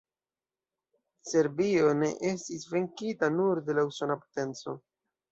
Serbio ne estis venkita nur de la usona potenco.